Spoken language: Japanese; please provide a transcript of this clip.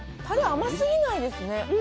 タレ甘すぎないですね。